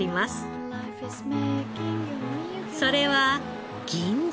それは銀座。